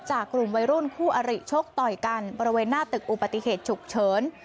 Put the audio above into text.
กลุ่มวัยรุ่นคู่อริชกต่อยกันบริเวณหน้าตึกอุปติเหตุฉุกเฉิน